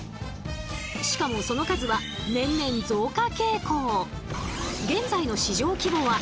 しかもその数は年々増加傾向。